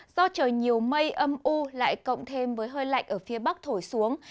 do trời nhiều mây âm u lại cộng thêm với hơi lạnh ở phía bắc thổi xuống